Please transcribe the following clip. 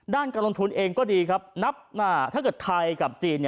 ด้านการลงทุนเองก็ดีนับมาถ้าเกิดไทยกับจีน